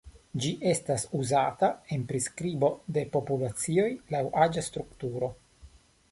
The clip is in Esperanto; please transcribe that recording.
Ĝi estas uzata en priskribo de populacioj laŭ aĝa strukturo.